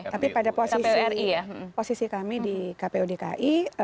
tapi pada posisi kami di kpu dki